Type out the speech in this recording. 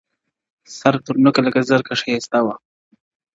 سر تر نوکه لکه زرکه ښایسته وه!.